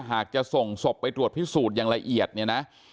หากจะส่งศพไปตรวจพิสูจน์อย่างละเอียดเนี่ยนะ